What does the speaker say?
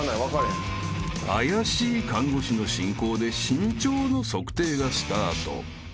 ［怪しい看護師の進行で身長の測定がスタート］